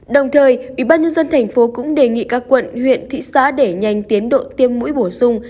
đồng thời ủy ban nhân dân thành phố cũng đề nghị các quận huyện thị xã để nhanh tiến độ tiêm mũi bổ sung